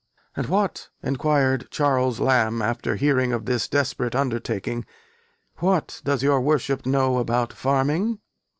"And what," enquired Charles Lamb after hearing of this desperate undertaking, "what does your worship know about farming?"